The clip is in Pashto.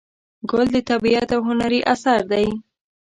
ګل د طبیعت یو هنري اثر دی.